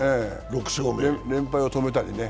連敗を止めたりね。